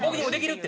って。